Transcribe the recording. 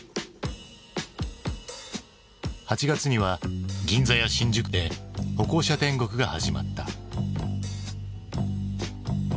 ８月には銀座や新宿で歩行者天国が始まった。